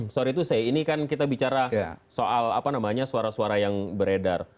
sorry to say ini kan kita bicara soal apa namanya suara suara yang beredar